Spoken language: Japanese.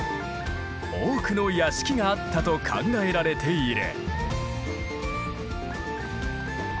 多くの屋敷があったと考えられている。